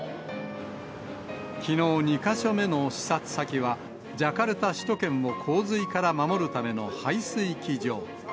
きのう、２か所目の視察先は、ジャカルタ首都圏を洪水から守るための排水機場。